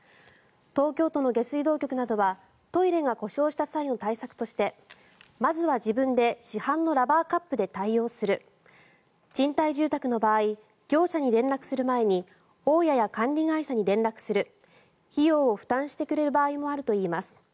東京都の下水道局などはトイレが故障した際の対策としてまずは自分で市販のラバーカップで対応する賃貸住宅の場合業者に連絡する前に大家や管理会社に連絡する費用を負担してくれる場合もあるといいます。